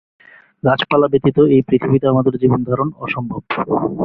গাছপালা ব্যতীত এই পৃথিবীতে আমাদের জীবনধারণ অসম্ভব।